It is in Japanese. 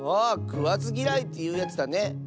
あくわずぎらいというやつだね。